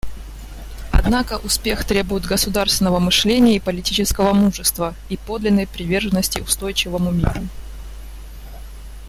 Однако успех требует государственного мышления и политического мужества и подлинной приверженности устойчивому миру.